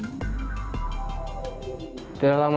ramah menemukan penyelamatkan sepuluh perempuan papua